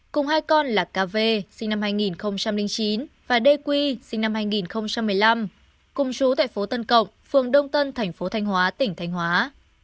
cùng hai con là cà phê sinh năm hai nghìn chín và đê quy sinh năm hai nghìn một mươi năm cùng chú tại phố tân cộng phường đông tân thành phố thanh hóa tỉnh thanh hóa